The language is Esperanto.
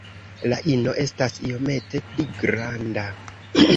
La ino estas iomete pli granda.